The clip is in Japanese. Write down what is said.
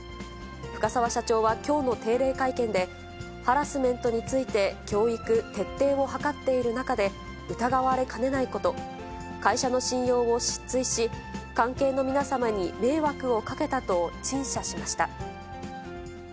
深澤社長はきょうの定例会見で、ハラスメントについて、教育・徹底を図っている中で、疑われかねないこと、会社の信用を失墜し、関係の皆様に迷惑をかけたと陳謝しました。